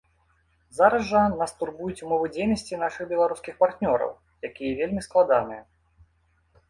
Зараз жа нас турбуюць умовы дзейнасці нашых беларускіх партнёраў, якія вельмі складаныя.